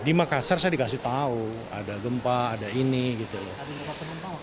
di makassar saya dikasih tahu ada gempa ada ini gitu loh